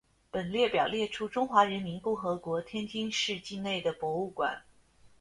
本列表列出中华人民共和国天津市境内的博物馆。